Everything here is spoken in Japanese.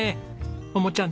桃ちゃん